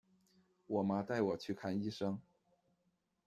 我妈带我去看医生